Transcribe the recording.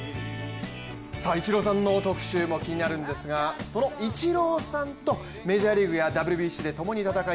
イチローさんの特集も気になるんですがそのイチローさんとメジャーリーグやＷＢＣでともに戦い